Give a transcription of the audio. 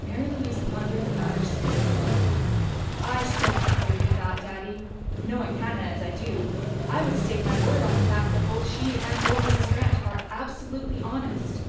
Mary Louise pondered the matter seriously. "I still can't believe that, Daddy. Knowing Hannah as I do, I would stake my word on the fact that both she and old Mrs. Grant are absolutely honest."